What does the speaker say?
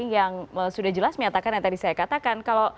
yang sudah jelas menyatakan yang tadi saya katakan